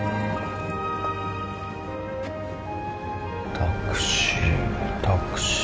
タクシータクシー。